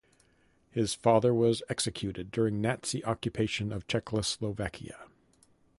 His father was executed during Nazi occupation of Czechoslovakia.